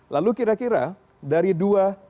lalu kira kira dari dua